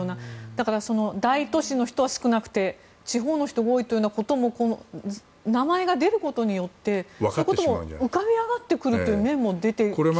だから、大都市の人は少なくて地方の人が多いということも名前が出ることによって浮かび上がってくるという面も出てきますよね。